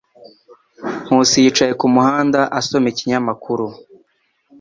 nkusi yicaye ku muhanda asoma ikinyamakuru.